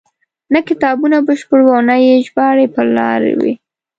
نه کتابونه بشپړ وو او نه یې ژباړې پر لار وې.